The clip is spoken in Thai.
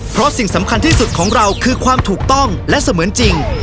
เพราะสิ่งสำคัญที่สุดของเราคือความถูกต้องและเสมือนจริง